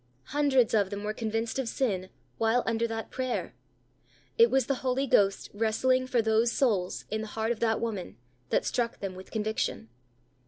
Hundreds of them were convinced of sin while under that prayer. It was the Holy Ghost wrestling for those souls in the heart of that woman, that struck them with conviction.